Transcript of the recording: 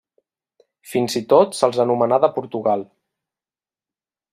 Fins i tot se'ls anomenà de Portugal.